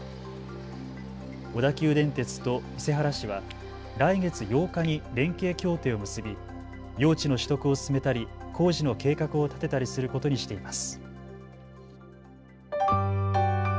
小田急電鉄と伊勢原市は来月８日に連携協定を結び用地の取得を進めたり工事の計画を立てたりすることにしています。